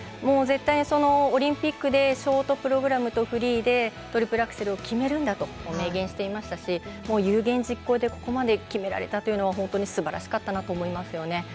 絶対、オリンピックでショートプログラムとフリーでトリプルアクセルを決めるんだと明言していましたし有言実行で、ここまで決められたというのは本当にすばらしかったなと思いますよね。